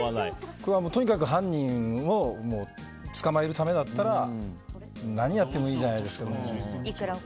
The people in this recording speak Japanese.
僕はとにかく犯人を捕まえるためだったら何やってもいいじゃないですけど。